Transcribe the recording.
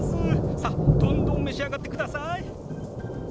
さっどんどん召し上がってください！